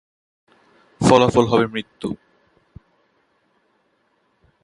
ফলাফল হবে মৃত্যু।